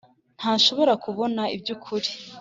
ntashobora kubona ibyukuri.